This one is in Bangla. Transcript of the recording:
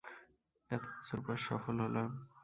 এত বছর পর সফল হলাম।